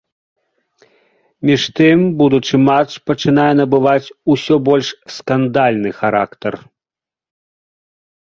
Між тым, будучы матч пачынае набываць усё больш скандальны характар.